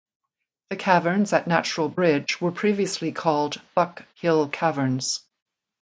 The Caverns at Natural Bridge were previously called Buck Hill Caverns.